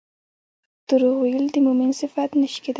دروغ ويل د مؤمن صفت نه شي کيدلی